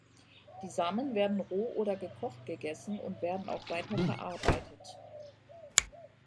Die Samen werden roh oder gekocht gegessen und werden auch weiter verarbeitet.